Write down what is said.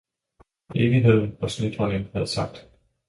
Evigheden, og snedronningen havde sagt.